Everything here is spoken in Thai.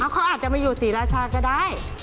เขาอาจจะมาอยู่ศรีราชาก็ได้